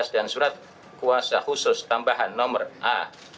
dan surat kuasa khusus tambahan nomor a